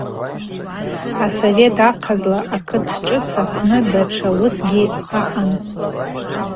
Асовет ахъазла акыт шӏыц апны датша уысгьи аъан.